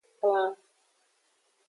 Klan.